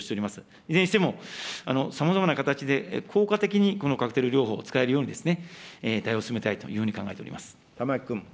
いずれにしても、さまざまな形で効果的にこのカクテル療法を使えるように対応を進めたいというふ玉木君。